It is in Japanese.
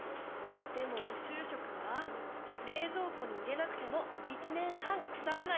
でも宇宙食は冷蔵庫に入れなくても１年半腐らない。